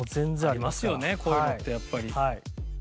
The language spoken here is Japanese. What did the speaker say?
ありますよねこういうのってやっぱり。